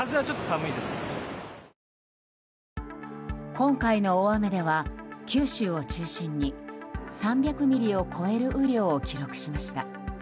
今回の大雨では、九州を中心に３００ミリを超える雨量を記録しました。